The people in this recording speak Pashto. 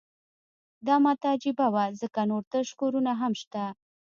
دا ماته عجیبه وه ځکه نور تش کورونه هم شته